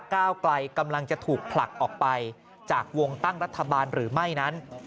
ก้าวไกลกำลังจะถูกผลักออกไปจากวงตั้งรัฐบาลหรือไม่นั้น